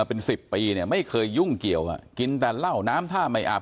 เป็นสิบปีเนี่ยไม่เคยยุ่งเกี่ยวอ่ะกินแต่เหล้าน้ำท่าไม่อาบ